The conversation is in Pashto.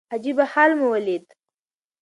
عجيبه حال مو وليد .